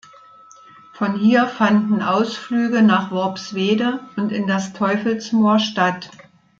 Von hier fanden Ausflüge nach Worpswede und in das Teufelsmoor statt.